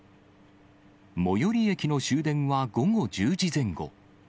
最寄り駅の終電は午後１０時前後。